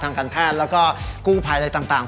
ทางการแพทย์แล้วก็กู้ภัยอะไรต่าง